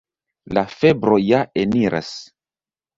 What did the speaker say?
La febro ja eniras.